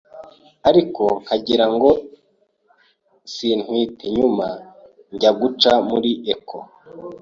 ariko nkagirango sintwite nyuma njya guca muri echo,